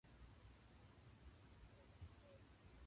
証券会社が行う公社債の売買の多くは自己売買によるものとなっている。